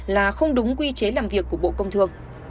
là không đúng quy chế làm việc của bộ công thương